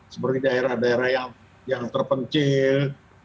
seperti daerah daerah yang terpencil